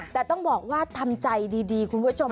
แต่ต้องบอกว่าทำใจดีคุณผู้ชม